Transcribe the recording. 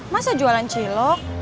masa jualan cilok